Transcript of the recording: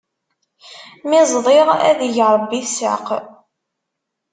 Mi ẓdiɣ, ad ig Ṛebbi tsaq!